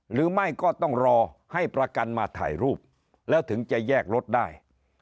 หรือไม่ก็ต้องรอให้ประกันมาถ่ายรูปแล้วถึงจะแยกรถได้